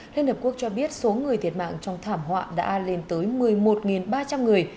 liên hợp quốc cho biết số người thiệt mạng trong thảm họa đã lên tới một mươi một ba trăm linh người